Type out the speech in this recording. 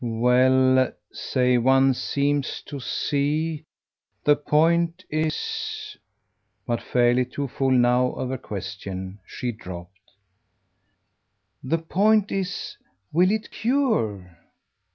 "Well, say one seems to see. The point is !" But, fairly too full now of her question, she dropped. "The point is will it CURE?"